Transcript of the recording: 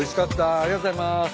ありがとうございます。